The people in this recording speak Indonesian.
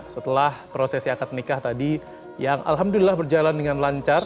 setelah prosesi akad nikah tadi yang alhamdulillah berjalan dengan lancar